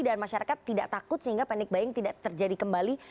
dan masyarakat tidak takut sehingga panic buying tidak terjadi kembali